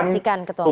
kira kira seperti itu